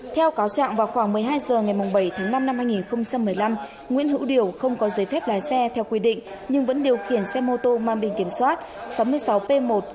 theo cáo trạng vào khoảng một mươi hai h ngày bảy tháng năm năm hai nghìn một mươi năm nguyễn hữu điều không có giấy phép lái xe theo quy định nhưng vẫn điều khiển xe mô tô mang bình kiểm soát sáu mươi sáu p một trăm linh hai nghìn hai trăm ba mươi tám